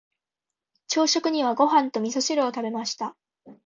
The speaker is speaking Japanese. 朝食にはご飯と味噌汁を食べました。